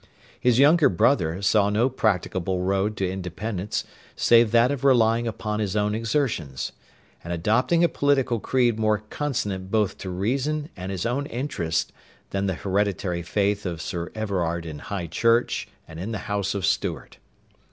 His younger brother saw no practicable road to independence save that of relying upon his own exertions, and adopting a political creed more consonant both to reason and his own interest than the hereditary faith of Sir Everard in High Church and in the house of Stuart.